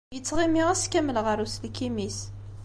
Yettɣimi ass kamel ɣer uselkim-is.